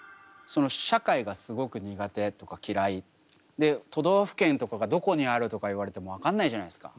で都道府県とかがどこにある？とか言われても分かんないじゃないですか。